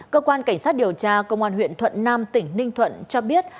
cơ quan cảnh sát điều tra công an huyện thuận nam tỉnh ninh thuận cho biết